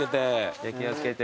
じゃあ気を付けて。